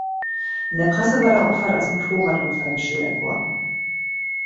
In der Presse war der Unfall als Motorradunfall geschildert worden.